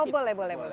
oh boleh boleh